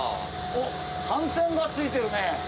おっ帆船が着いてるね。